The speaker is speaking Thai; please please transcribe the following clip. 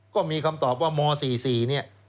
ก็มีคำตอบว่าม๔๔เนี่ย